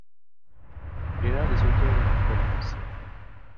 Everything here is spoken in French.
Il est l’un des auteurs de la Nouvelle Pensée.